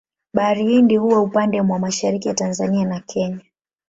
Bahari Hindi huwa upande mwa mashariki ya Tanzania na Kenya.